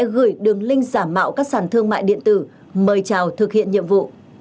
các đối tượng sẽ gửi đường link giả mạo các sản thương mại điện tử mời chào thực hiện nhiệm vụ